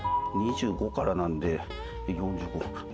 ２５からなんで４５。